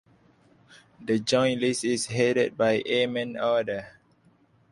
The Joint List is headed by Ayman Odeh.